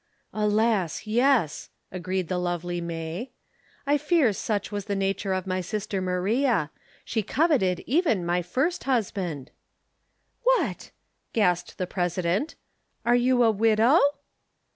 "Alas, yes," agreed the lovely May. "I fear such was the nature of my sister Maria. She coveted even my first husband." "What!" gasped the President. "Are you a widow?"